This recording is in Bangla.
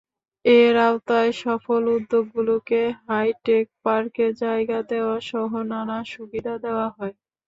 এর আওতায় সফল উদ্যোগগুলোকে হাইটেক পার্কে জায়গা দেওয়াসহ নানা সুবিধা দেওয়া হয়।